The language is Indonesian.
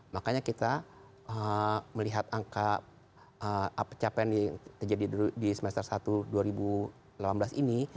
makanya kita melihat angka pencapaian yang terjadi di semester satu dua ribu delapan belas ini